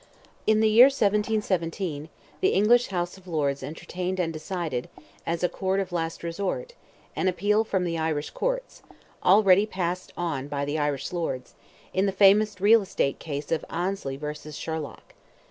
In the year 1717, the English House of Lords entertained and decided, as a court of last resort, an appeal from the Irish courts, already passed on by the Irish Lords, in the famous real estate case of Annesley versus Sherlock.